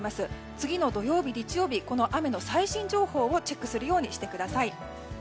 次の土曜日、日曜日雨の最新情報をチェックするようにしてください。